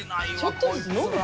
ちょっとずつ飲むって。